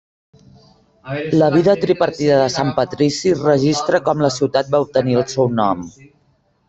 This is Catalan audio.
La Vida Tripartida de Sant Patrici registra com la ciutat va obtenir el seu nom.